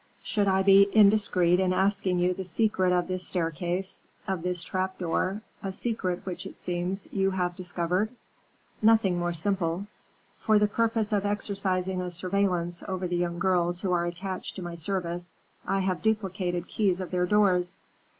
"Should I be indiscreet in asking you the secret of this staircase, of this trap door; a secret, which, it seems, you have discovered?" "Nothing more simple. For the purpose of exercising a surveillance over the young girls who are attached to my service, I have duplicate keys of their doors.